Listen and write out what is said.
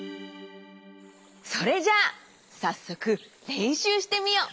それじゃあさっそくれんしゅうしてみよう。